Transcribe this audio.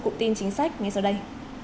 cụ tin chính sách ngay sau đây